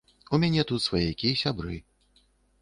У мяне тут сваякі, сябры.